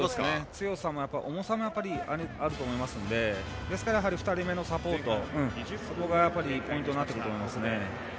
強さも重さもあると思いますので２人目のサポートがポイントになってくると思います。